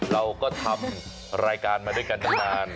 เราก็ทำรายการมาด้วยกันตั้งนาน